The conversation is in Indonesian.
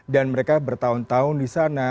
dan mereka bertahun tahun di sana